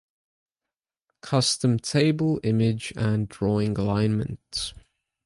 Custom table, image, and drawing alignment